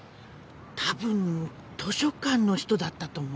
多分図書館の人だったと思う。